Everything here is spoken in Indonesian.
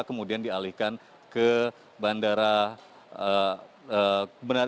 kemudian dialihkan ke bandara